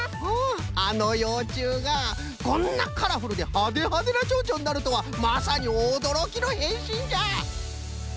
あのようちゅうがこんなカラフルでハデハデのチョウチョになるとはまさにおどろきのへんしんじゃ！